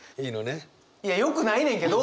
いやよくないねんけど！